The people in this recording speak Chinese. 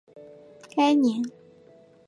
该年也增设魁星神像。